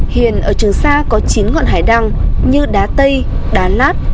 hiện ở trường sa có chín ngọn hải đăng như đá tây đá lát